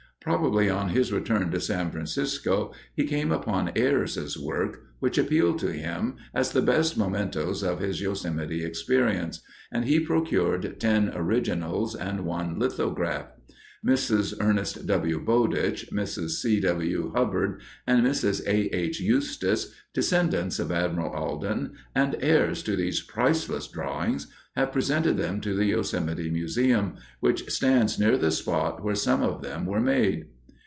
Probably on his return to San Francisco he came upon Ayres's work, which appealed to him as the best mementos of his Yosemite experience, and he procured ten originals and one lithograph. Mrs. Ernest W. Bowditch, Mrs. C. W. Hubbard, and Mrs. A. H. Eustis, descendants of Admiral Alden and heirs to these priceless drawings, have presented them to the Yosemite Museum, which stands near the spot where some of them were made.